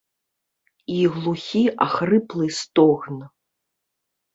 І глухі ахрыплы стогн.